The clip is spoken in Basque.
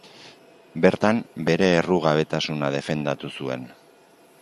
Bertan bere errugabetasuna defendatu zuen.